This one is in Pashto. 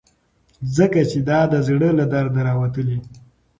ځکه چې دا د زړه له درده راوتلي.